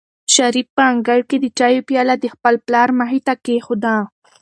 شریف په انګړ کې د چایو پیاله د خپل پلار مخې ته کېښوده.